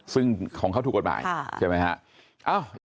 ซึ่งของเขาถูกกฎหมายใช่ไหมฮะ